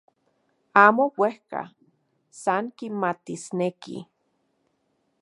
Amo uejka, san kimatisneki.